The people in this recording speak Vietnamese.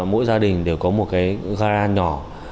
mỗi gia đình đều có một cái dara nhỏ